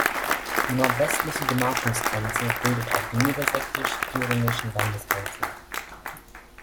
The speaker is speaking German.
Die nordwestliche Gemarkungsgrenze bildet auch die niedersächsisch-thüringischen Landesgrenze.